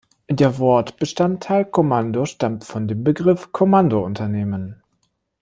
Der Wortbestandteil „-kommando“ stammt von dem Begriff Kommandounternehmen.